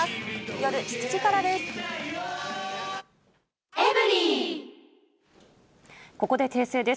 夜７時からです。